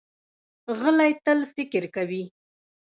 غلی، تل فکر کوي.